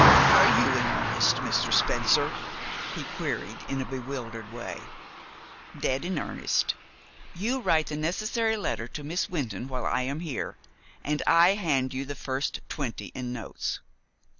"Are you in earnest, Mr. Spencer?" he queried in a bewildered way. "Dead in earnest. You write the necessary letter to Miss Wynton while I am here, and I hand you the first twenty in notes.